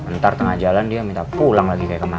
ntar tengah jalan dia minta pulang lagi kayak kemana